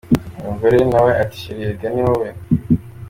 Umugore nawe ati ’Cheri erega niwowe’.